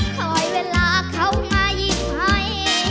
คอยเวลาเขามาหยิบให้